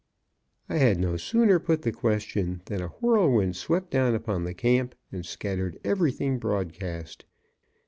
I had no sooner put the question than a whirlwind swept down upon the camp and scattered everything broadcast.